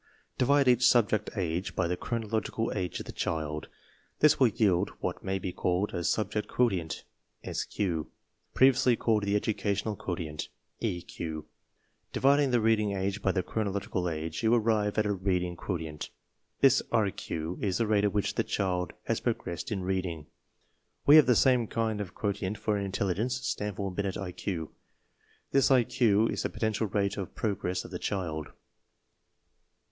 Divide each Subject Age by the Chronological Age of the child. This will yield what may be called a Subject Quo tient (SQ), previ ously called an Educational Quotient (EQ). 1 Dividing the Reading Age by the Chronological Age you arrive at a Reading Quotient. This RQ is the rate at which the child has progressed in reading. We have the same kind of quo tient for intelligence (Stanford Binet IQ). This IQ is the potential rate of progress of the child.